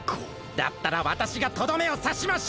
だったらわたしがとどめをさしましょう！